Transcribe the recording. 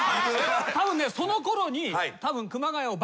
たぶんねそのころに。